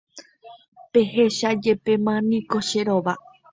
Pehechajepéma niko che rova.